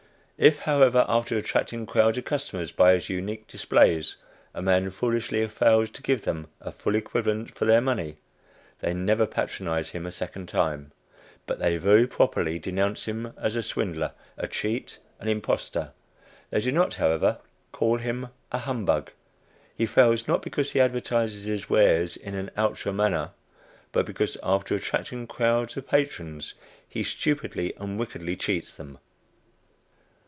If, however, after attracting crowds of customers by his unique displays, a man foolishly fails to give them a full equivalent for their money, they never patronize him a second time, but they very properly denounce him as a swindler, a cheat, an impostor; they do not, however, call him a "humbug." He fails, not because he advertises his wares in an outre manner, but because, after attracting crowds of patrons, he stupidly and wickedly cheats them.